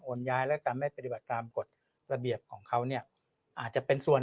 ย้ายและการไม่ปฏิบัติตามกฎระเบียบของเขาเนี่ยอาจจะเป็นส่วน